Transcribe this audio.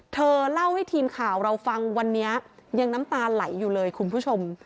เธอเล่าให้ทีมข่าวเราฟังวันนี้ยังน้ำตาไหลอยู่เลยคุณผู้ชม